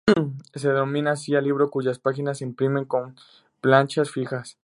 Se denomina así al libro cuyas páginas se imprimen con planchas fijas.